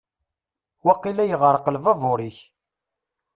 Waqila yeɣreq lbabur-ik.